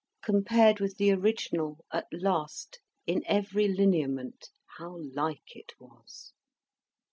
Compared with the original, at last in every lineament how like it was!